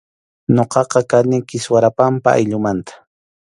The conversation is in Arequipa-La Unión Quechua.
Ñuqaqa kani Kiswarpampa ayllumanta.